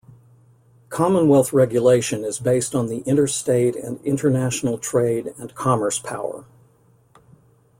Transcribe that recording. Commonwealth regulation is based on the interstate and international trade and commerce power.